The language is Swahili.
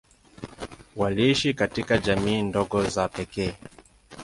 Waliishi katika jamii ndogo za pekee.